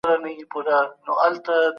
له پېښو سره بايد رښتينی چلند وسي.